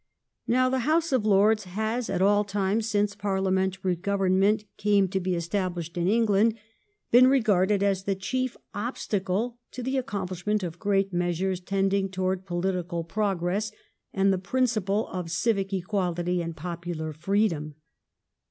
Now, the House of Lords has at all times, since parliamentary government came to be established in 108 THE EEIGN OF QUEEN ANNE. ch. xxti. England, been regarded as the chief obstacle to the accompUshment of great measures tending towards political progress and the principle of civic equality and popular freedom.